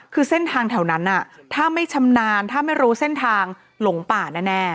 คือเส้นทางแถวนั้นถ้าไม่ชำนาญถ้าไม่รู้เส้นทางหลงป่าแน่